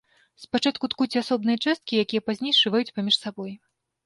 Спачатку ткуць асобныя часткі, якія пазней сшываюць паміж сабой.